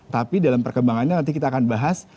tapi dalam perkembangannya nanti kita akan bahas